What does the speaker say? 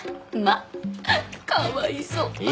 まあかわいそう。